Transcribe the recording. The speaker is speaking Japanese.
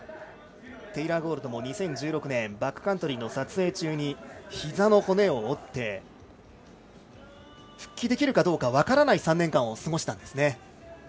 テイラー・ゴールドも２０１６年バックカントリーの撮影中にひざの骨を折って復帰できるかどうか分からない３年間を過ごしたんですね。